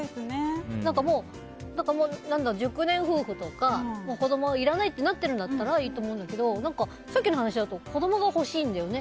もう、熟年夫婦とか子供はいらないってなってるならいいと思うんだけどさっきの話だと子供が欲しいんだよね。